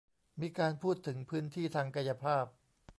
มีการพูดถึงพื้นที่ทางกายภาพ